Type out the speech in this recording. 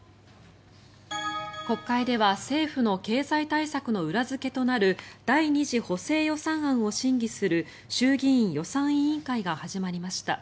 国会では政府の経済対策の裏付けとなる第２次補正予算案を審議する衆議院予算委員会が始まりました。